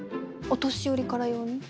お年寄りから用に？